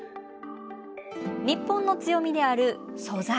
日本の強みである素材